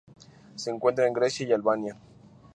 Se encuentra en Grecia y en Albania.